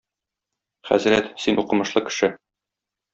Хәзрәт, син укымышлы кеше.